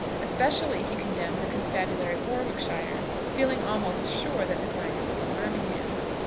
Especially he condemned the constabulary of Warwickshire, feeling almost sure that the Grinder was in Birmingham.